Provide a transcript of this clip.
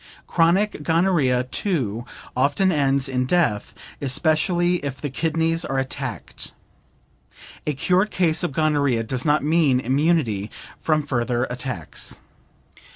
Chronic gonorrhea, too, often ends in death, especially if the kidneys are attacked. A cured case of gonorrhea does not mean immunity from further attacks.